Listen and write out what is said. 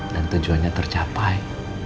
dan tujuannya tercapai